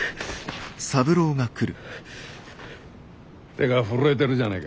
手が震えてるじゃねえか。